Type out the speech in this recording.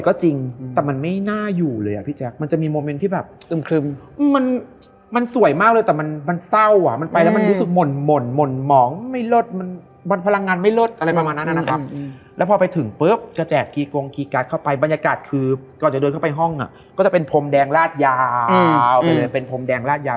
ก็จะเป็นพรมแดงลาดยาวเป็นเลยเป็นพรมแดงลาดยาว